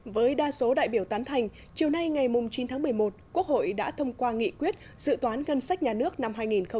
với đa số đại biểu tán thành chiều nay ngày chín tháng một mươi một quốc hội đã thông qua nghị quyết dự toán ngân sách nhà nước năm hai nghìn một mươi chín